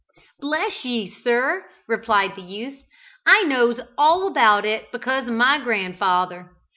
"Bless ye, sir," replied the youth, "I knows all about it because o' my grandfather.